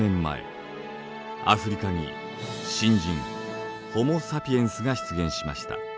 アフリカに新人ホモ・サピエンスが出現しました。